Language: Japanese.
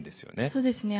そうですね。